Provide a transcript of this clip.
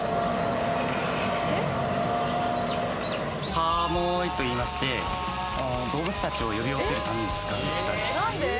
カモイ！と言いまして、動物たちを呼び寄せるために使う歌です。